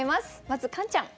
まずカンちゃん。